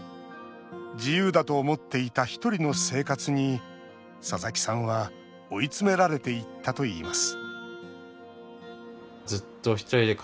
自由だと思っていたひとりの生活に佐々木さんは追い詰められていったといいます